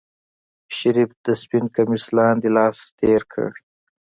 شريف د سپين کميس لاندې لاس تېر کړ.